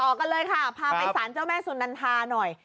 กันเลยค่ะพาไปสารเจ้าแม่สุนันทาหน่อย